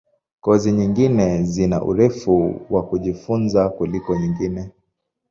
Kozi nyingine zina urefu wa kujifunza kuliko nyingine.